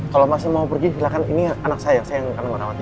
kalo mas mau pergi silahkan ini anak saya saya yang akan merawatnya